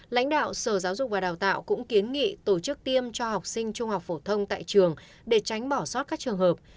lãnh đạo sở giáo dục và đào tạo cũng kiến nghị tổ chức tiêm cho học sinh trung học phổ thông tại trường để tránh bỏ sót các trường hợp